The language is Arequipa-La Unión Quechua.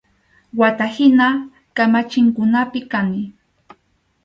Wata hina kamachinkunapi kani.